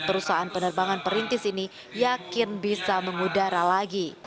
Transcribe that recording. perusahaan penerbangan perintis ini yakin bisa mengudara lagi